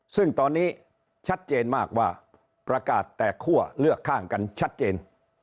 ซึ่งตอนนี้ชัดเจนมากว่าประกาศแตกคั่วเลือกข้างกันชัดเจน